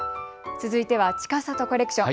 続いては、ちかさとコレクション。